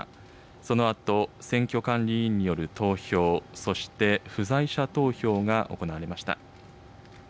そのあと選挙管理委員による投票、そして不在者投票が行われました。